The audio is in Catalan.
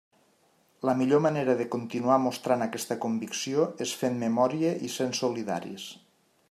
La millor manera de continuar mostrant aquesta convicció és fent memòria i sent solidaris.